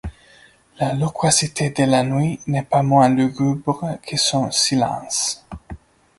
La loquacité de la nuit n’est pas moins lugubre que son silence.